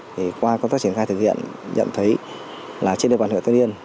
thì qua công tác triển khai thực hiện nhận thấy là trên địa bàn huyện tân yên